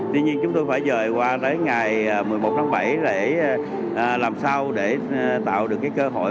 tuy nhiên chúng tôi phải rời qua tới ngày một mươi một tháng bảy để làm sao để tạo được cái cơ hội